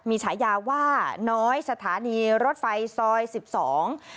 มีฉายาว่าน้อยสถานีรถไฟซอยสิบสอง